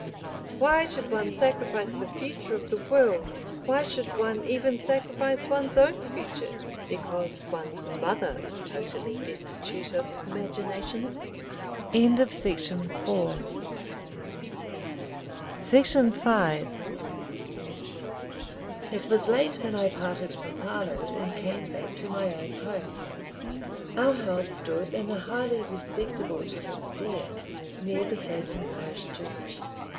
"Why should one sacrifice the future of the world—why should one even sacrifice one's own future—because one's mother is totally destitute of imagination?" § 5 It was late when I parted from Parload and came back to my own home. Our house stood in a highly respectable little square near the Clayton parish church.